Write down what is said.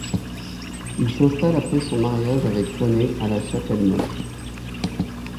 Il s'installe après son mariage avec Renée à La Chapelle-Moche.